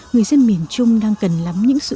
người dân miền trung đang cần lắm những sự